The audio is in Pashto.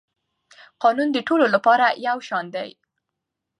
قانون د ټولو لپاره یو شان دی.